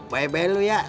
bae bae lu ya